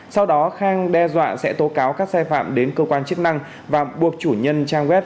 sau đó khang đe dọa sẽ tố cáo các sai phạm đến cơ quan chức năng và buộc chủ nhân trang web